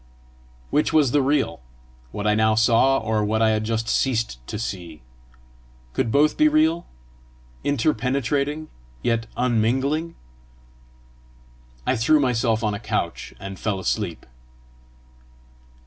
Which was the real what I now saw, or what I had just ceased to see? Could both be real, interpenetrating yet unmingling? I threw myself on a couch, and fell asleep.